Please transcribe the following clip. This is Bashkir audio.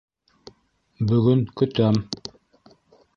- Бөгөн... көтәм.